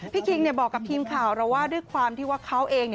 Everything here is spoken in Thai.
คิงบอกกับทีมข่าวเราว่าด้วยความที่ว่าเขาเอง